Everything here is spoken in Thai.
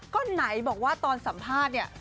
ก็ไหนบอกว่าตอนสัมภาษณ์เนี่ย